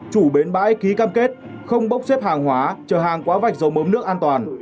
chủ bến bãi ký cam kết không bốc xếp hàng hóa chờ hàng quá vạch dầu mấm nước an toàn